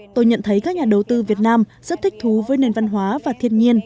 tôi nhận thấy các nhà đầu tư việt nam rất thích thú với nền văn hóa và thiên nhiên